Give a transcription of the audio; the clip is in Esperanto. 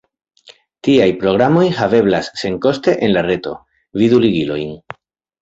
Tiaj programoj haveblas senkoste en la reto, vidu ligilojn.